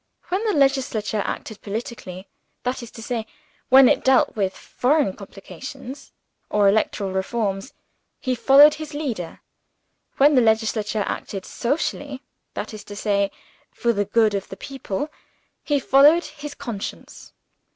When the Legislature acted politically that is to say, when it dealt with foreign complications, or electoral reforms he followed his leader. When the Legislature acted socially that is to say, for the good of the people he followed his conscience.